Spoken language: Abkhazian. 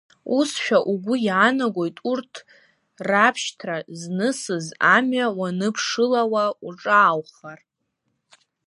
Усшәа угәы иаанагоит урҭ рабшьҭра знысыз амҩа уаныԥшылауа уҿааухар.